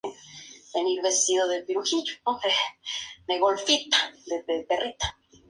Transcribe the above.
En los judíos de la Provincia de Judea se rebelaron contra el Imperio romano.